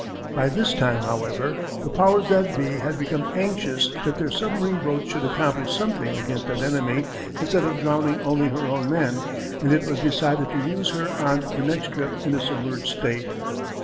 By this time, however, the powers that be had become anxious that their submarine boat should accomplish something against an enemy, instead of drowning only her own men and it was decided to use her on the next trip in a submerged state.